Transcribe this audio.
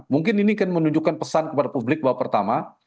mungkin ini kan menunjukkan pesan kepada publik bahwa pertama